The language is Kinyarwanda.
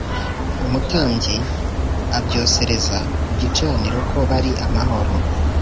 Umutambyi abyosereze ku gicaniro ko bari amahoro